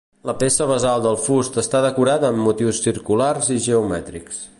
La peça basal del fust està decorada amb motius circulars i geomètrics.